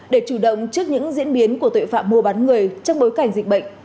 để chủ động trước những diễn biến của tội phạm mua bán người trong bối cảnh dịch bệnh